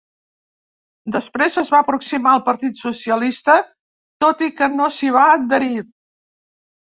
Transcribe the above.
Després es va aproximar al Partit Socialista tot i que no s'hi va adherir.